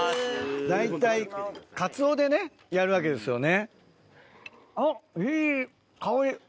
大体カツオでねやるわけですよね。